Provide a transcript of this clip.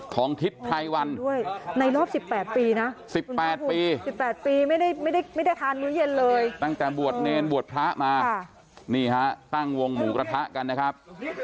ทั้งวงหมูกระทะกันนะครับ